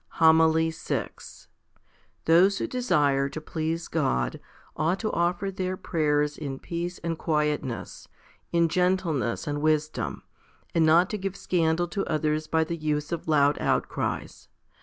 HOMILY VI Those who desire to please God, ought to offer their prayers in peace and quietness, in gentleness and wisdom, and not to give scandal to others by the use of loud outcries.